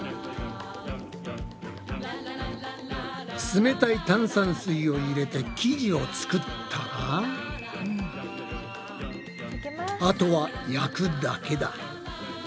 つめたい炭酸水を入れて生地を作ったらあとは焼くだけだ。